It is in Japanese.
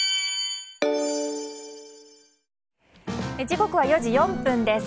時刻は４時４分です。